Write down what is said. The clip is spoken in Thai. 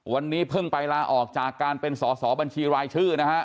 วันนี้เพิ่งไปลาออกจากการเป็นสอสอบัญชีรายชื่อนะฮะ